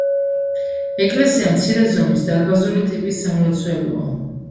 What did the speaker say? ეკლესია მცირე ზომის, დარბაზული ტიპის სამლოცველოა.